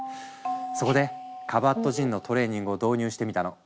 そこでカバットジンのトレーニングを導入してみたの。